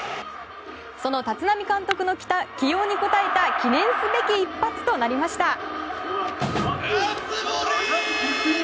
その立浪監督の起用に応えた記念すべき一発となりました。